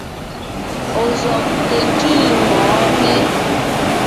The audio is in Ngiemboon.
Ɔ̀ zɔ́g ntʉ̀ntʉ́ mɔ̌ɔn mé?